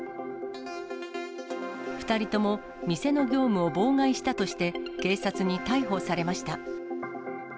２人とも店の業務を妨害したとして、警察に逮捕されました。